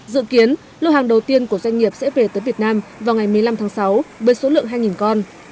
dự kiến lô hàng đầu tiên của doanh nghiệp sẽ về tới việt nam vào ngày một mươi năm tháng sáu với số lượng hai con